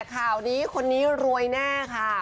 ข่าวนี้คนนี้รวยแน่ค่ะ